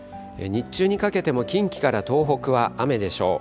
日中にかけても近畿から東北は雨でしょう。